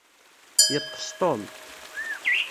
Yeṭṭes Tom.